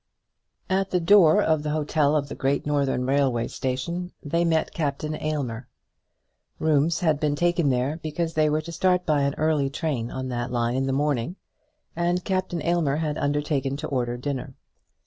At the door of the hotel of the Great Northern Railway Station they met Captain Aylmer. Rooms had been taken there because they were to start by an early train on that line in the morning, and Captain Aylmer had undertaken to order dinner.